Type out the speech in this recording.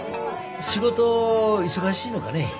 仕事忙しいのかね？